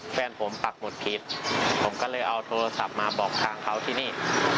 แฟนผมปักหมดผิดผมก็เลยเอาโทรศัพท์มาบอกทางเขาที่นี่